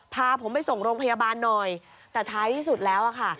พาผมไปส่งโรงพยาบาลหน่อยแต่ท้ายที่สุดแล้วอะค่ะ